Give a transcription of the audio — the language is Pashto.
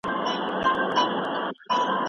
شعرونه بې احساسه نه وي.